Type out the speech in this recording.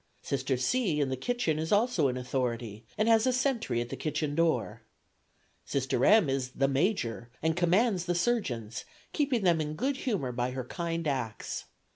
Sister C. in the kitchen is also in authority, and has a sentry at the kitchen door. Sr. M. is 'the Major,' and commands the surgeons, keeping them in good humor by her kind acts.